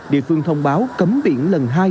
địa phương thông báo cấm biển lần hai